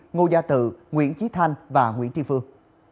ngô gia tự nguyễn trí thanh và nguyễn tri phương